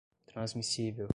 transmissível